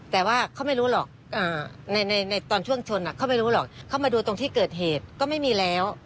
แต่ว่าเขาไม่รู้หรอกในตอนช่วงชนเขาไม่รู้หรอกเขามาดูตรงที่เกิดเหตุก็ไม่มีแล้ว